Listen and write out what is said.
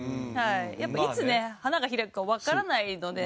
やっぱいつ花が開くかわからないので。